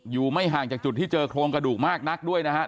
ไม่ห่างจากจุดที่เจอโครงกระดูกมากนักด้วยนะครับ